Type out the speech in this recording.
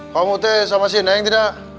kamu teh sama si neng tidak